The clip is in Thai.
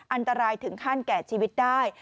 อันตรายถึงขั้นแก่ชีวิตได้